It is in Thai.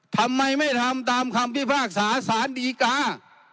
ทำไมไม่ทำตามคำพิพากษาสารดีกา